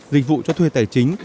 dịch vụ cho thuê tài chính